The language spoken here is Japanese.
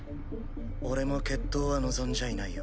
俺も決闘は望んじゃいないよ。